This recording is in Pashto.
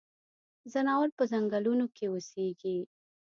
ځناور پۀ ځنګلونو کې اوسيږي.